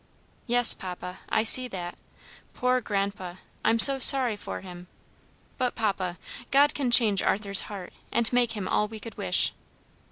"Yes, papa, I see that. Poor grandpa, I'm so sorry for him! But, papa, God can change Arthur's heart, and make him all we could wish."